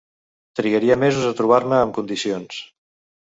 Trigaria mesos a trobar-me en condicions